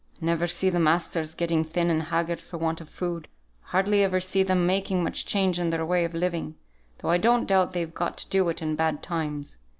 I never see the masters getting thin and haggard for want of food; I hardly ever see them making much change in their way of living, though I don't doubt they've got to do it in bad times.